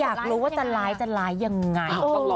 อยากรู้ว่าจะร้ายจะร้ายยังไง